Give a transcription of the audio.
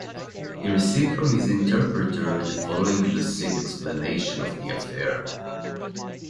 He received from his interpreter the following lucid explanation of the affair.